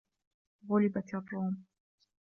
غُلِبَتِ الرُّومُ